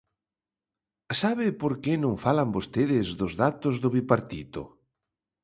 ¿Sabe por que non falan vostedes dos datos do Bipartito?